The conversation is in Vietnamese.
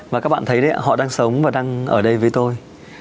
và các bạn thấy đấy ạ họ đang sống và đang ở đây với tôi